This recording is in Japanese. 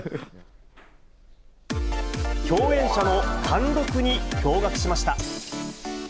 共演者の貫禄に驚がくしました。